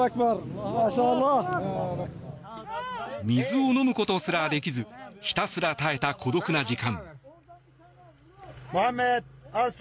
水を飲むことすらできずひたすら耐えた孤独な時間。